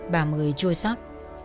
bà mới chua sót